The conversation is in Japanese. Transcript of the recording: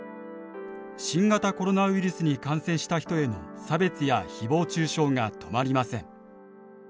新型コロナウイルスに感染した人への差別やひぼう中傷が止まりません。